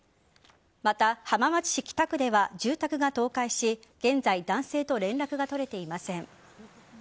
また、浜松市北区では住宅が倒壊し現在男性と連絡が取れていません。